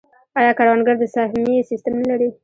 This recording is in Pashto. آیا کروندګر د سهمیې سیستم نلري؟